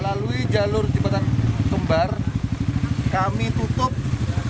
melalui jalur jembatan kembar kami tutup